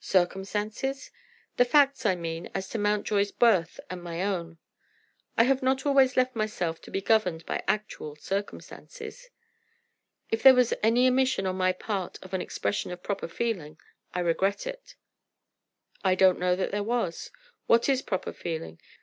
"Circumstances?" "The facts, I mean, as to Mountjoy's birth and my own." "I have not always left myself to be governed by actual circumstances." "If there was any omission on my part of an expression of proper feeling, I regret it." "I don't know that there was. What is proper feeling?